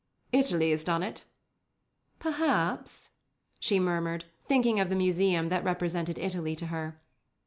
"Italy has done it." "Perhaps," she murmured, thinking of the museum that represented Italy to her.